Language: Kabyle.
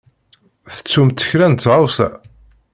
Tettumt kra n tɣawsa?